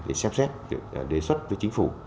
để xét xét đề xuất với chính phủ